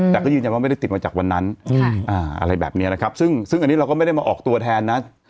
จากวันนั้นอะไรแบบนี้นะครับซึ่งอันนี้เราก็ไม่ได้มาออกตัวแทนนะ